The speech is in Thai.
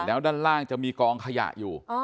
แล้วด้านล่างจะมีกองขยะอยู่